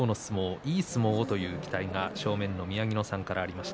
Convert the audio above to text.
いい相撲をという期待が宮城野さんからありました